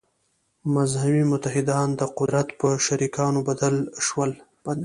«مذهبي متحدان» د قدرت په شریکانو بدل شول.